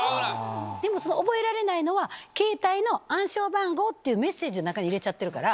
でも、その覚えられないのは、携帯の暗証番号っていうメッセージの中に入れちゃってるから。